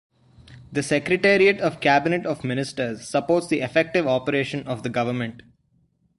The Secretariat of Cabinet of Ministers supports the effective operation of the government.